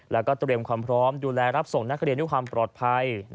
แล้วก็เตรียมความพร้อมดูแลรับส่งนักเรียนด้วยความปลอดภัย